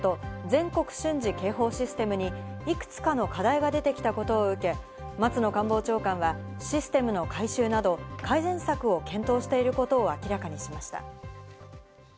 全国瞬時警報システムに、いくつかの課題が出てきたことを受け、松野官房長官はシステムの改修など、改善策を検討していることを明らかにしました。